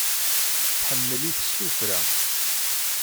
Tḥemmel-it s tuffra.